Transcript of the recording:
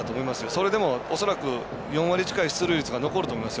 それでも、恐らく４割近い出塁率が残ると思います。